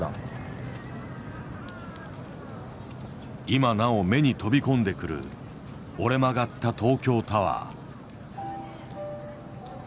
今なお目に飛び込んでくる折れ曲がった東京タワー。